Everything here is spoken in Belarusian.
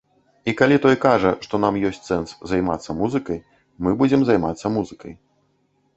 І калі той скажа, што нам ёсць сэнс займацца музыкай, мы будзем займацца музыкай.